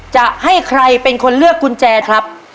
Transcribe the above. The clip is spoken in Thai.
จะให้ใครเป็นคนเลือกกุญแจครับ